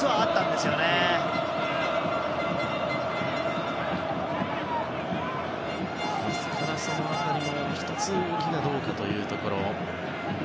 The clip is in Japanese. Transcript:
ですから、その辺りも１つ動きがどうかというところ。